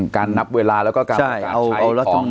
การนับเวลาแล้วก็การใช้ของ